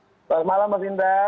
selamat malam pak pinta